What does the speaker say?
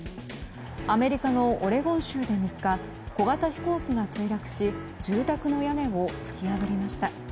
アメリカのオレゴン州で３日小型飛行機が墜落し住宅の屋根を突き破りました。